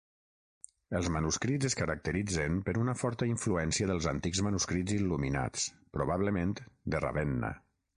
Els manuscrits es caracteritzen per una forta influència dels antics manuscrits il·luminats, probablement, de Ravenna.